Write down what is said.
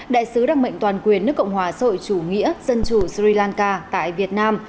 đại sứ đặc mệnh toàn quyền nước cộng hòa sội chủ nghĩa dân chủ sri lanka tại việt nam